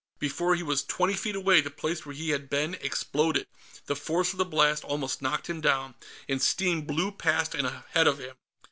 Before he was twenty feet away, the place where he had been exploded; the force of the blast almost knocked him down, and steam blew past and ahead of him.